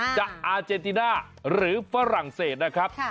อาเจนติน่าหรือฝรั่งเศสนะครับ